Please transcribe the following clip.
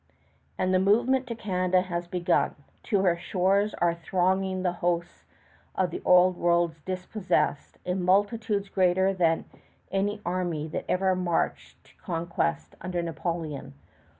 And the movement to Canada has begun. To her shores are thronging the hosts of the Old World's dispossessed, in multitudes greater than any army that ever marched to conquest under Napoleon.